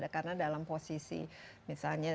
karena dalam posisi misalnya